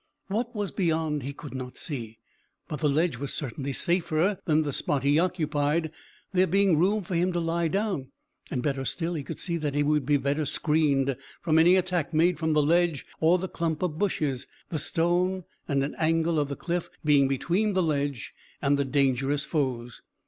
What was beyond he could not see, but the ledge was certainly safer than the spot he occupied, there being room for him to lie down, and, better still, he could see that he would be better screened from any attack made from the ledge or the clump of bushes, the stone and an angle of the cliff being between the ledge and the dangerous foes.